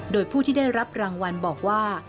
โดยผู้ที่ได้รับรางวัลบอกว่า